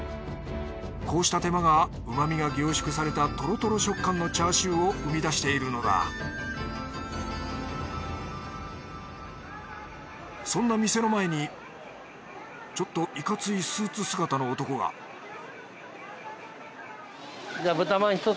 こうした手間がうま味が凝縮されたトロトロ食感のチャーシューを生み出しているのだそんな店の前にちょっといかついスーツ姿の男が５００円